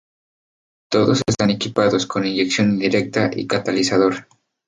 Todos están equipados con inyección indirecta y catalizador.